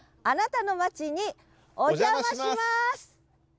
あなたの町にお邪魔します！